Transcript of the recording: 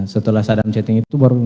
setelah saddam chatting itu baru